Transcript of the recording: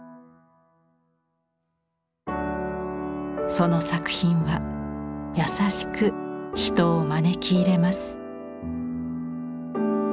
その作品は優しく人を招き入れます。